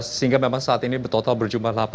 sehingga memang saat ini total berjumlah delapan